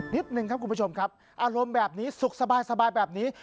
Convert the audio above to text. นิดนึงครับคุณผู้ชมครับอารมณ์แบบนี้สุขสบายแบบนี้